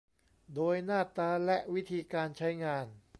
โดยหน้าตาและวิธีการใช้งาน